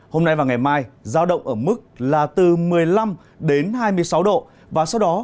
hôm nay và ngày mai giao động ở mức là từ một mươi năm đến hai mươi sáu độ và sau đó